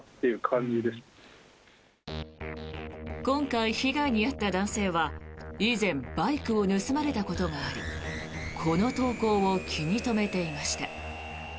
今回、被害に遭った男性は以前バイクを盗まれたことがありこの投稿を気に留めていました。